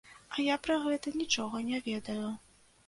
А я пра гэта нічога не ведаю.